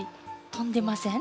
とんでません？